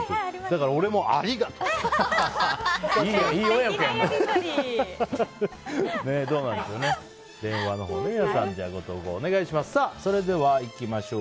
だから俺も、ありがとう！って。